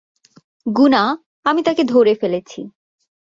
গুনা আমি তাকে ধরে ফেলেছি।